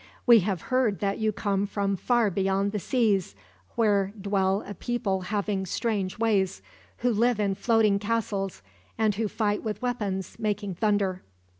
"We have heard that you come from far beyond the seas, where dwell a people having strange ways, who live in floating castles, and who fight with weapons making thunder."